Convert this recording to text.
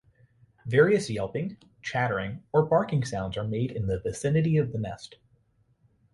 Various yelping, chattering or barking sounds are made in the vicinity of the nest.